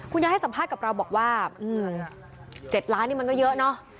ยายให้สัมภาษณ์กับเราบอกว่า๗ล้านนี่มันก็เยอะเนอะ